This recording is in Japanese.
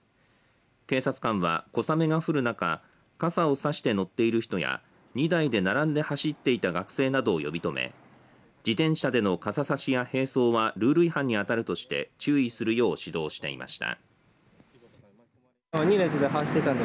警察官は小雨が降る中傘を差して乗っている人や２台で並んで走っていている学生などを呼び止め自転車での傘差しや並走はルール違反に当たるとして注意するよう指導していました。